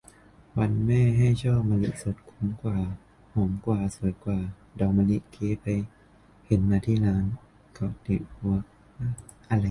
วันแม่ ให้ช่อมะลิสด คุ้มกว่า หอมกว่า สวยกว่า ดอกมะลิเก๊ ไปเห็นมาที่ร้านก็องดิด เวิร์กมาก